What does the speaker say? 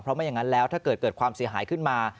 ไม่อย่างนั้นแล้วถ้าเกิดเกิดความเสียหายขึ้นมา